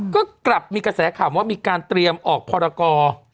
ก็กลับมีกระแสข่าวว่ามีการเตรียมออกพรกร